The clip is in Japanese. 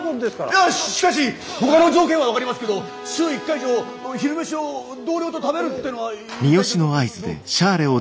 いやしかしほかの条件は分かりますけど週１回以上昼飯を同僚と食べるってのは一体？